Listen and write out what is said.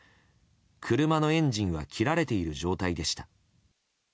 車のエンジンは切られている状態でした。